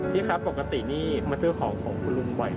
พี่ครับปกตินี่มาซื้อของของคุณลุงบ่อย